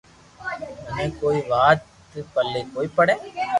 منو ڪوئي وات پلي ڪوئي پڙي